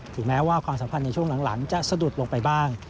แม้ว่าความสัมพันธ์ในช่วงหลังจะสะดุดลงไปบ้าง